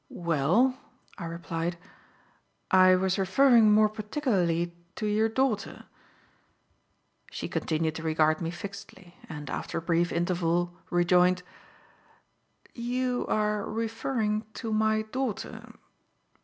"Well," I replied, "I was referring more particularly to your daughter." She continued to regard me fixedly, and, after a brief interval, rejoined: "You are referring to my daughter.